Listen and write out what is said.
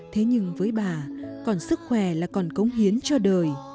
thế nhưng với bà còn sức khỏe là còn cống hiến cho đời